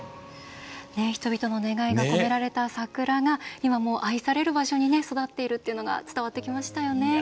人々の願いが込められた桜が今も愛される場所に育っているというのが伝わってきましたよね。